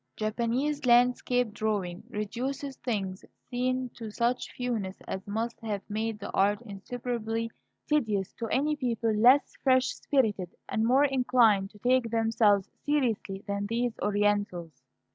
Japanese landscape drawing reduces things seen to such fewness as must have made the art insuperably tedious to any people less fresh spirited and more inclined to take themselves seriously than these Orientals.